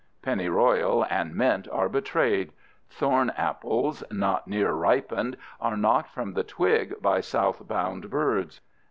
Pennyroyal and mint are betrayed. Thorn apples, not near ripened, are knocked from the twig by south bound birds.